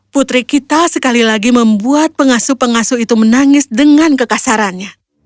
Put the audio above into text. putri kita sekali lagi membuat pengasuh pengasuh itu menangis dengan kekasarannya